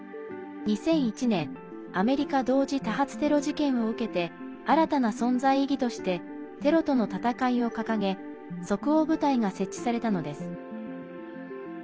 ２００１年、アメリカ同時多発テロ事件を受けて新たな存在意義としてテロとの戦いを掲げ即応部隊が設置されたのです。